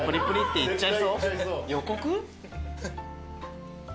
予告？